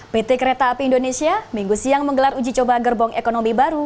pt kereta api indonesia minggu siang menggelar uji coba gerbong ekonomi baru